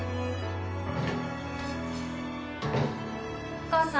・お母さん。